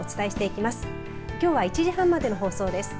きょうは１時半までの放送です。